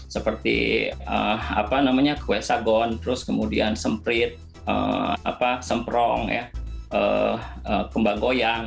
seperti kue sagon terus kemudian semprit semprong kembang goyang